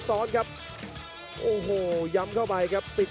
ชาเลน์